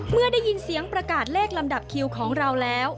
เมื่อได้ยินเสียงประกาศเลขลำดับคิวของเราแล้ว